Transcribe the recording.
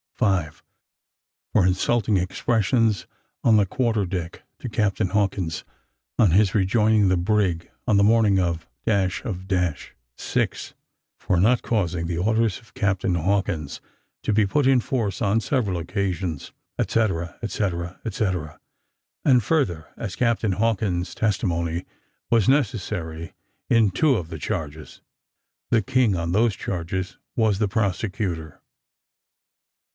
5. For insulting expressions on the quarter deck to Captain Hawkins, on his rejoining the brig on the morning of the of . 6. For not causing the orders of Captain Hawkins to be put in force on several occasions, etcetera, etcetera, etc. And further, as Captain Hawkins' testimony was necessary in two of the charges, the King, on those charges, was the prosecutor.